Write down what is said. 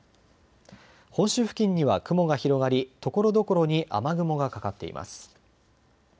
本州付近には雲が広がりところどころに雨雲がかかっています。